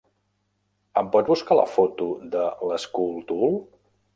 Em pots buscar la foto de l'SchoolTool?